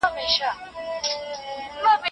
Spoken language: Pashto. که ژبه ساده وي لوستونکي به یې ژر درک کړي.